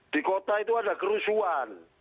di kota itu ada kerusuhan